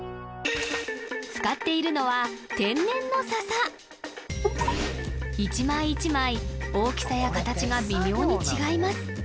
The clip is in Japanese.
使っているのは天然の笹一枚一枚大きさや形が微妙に違います